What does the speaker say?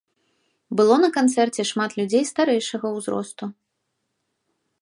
Было на канцэрце шмат людзей старэйшага ўзросту.